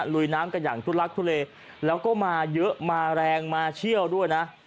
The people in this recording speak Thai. ลุยน้ำกันอย่างทุลักทุเลแล้วก็มาเยอะมาแรงมาเชี่ยวด้วยนะ